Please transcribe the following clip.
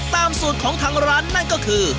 สูตรของทางร้านนั่นก็คือ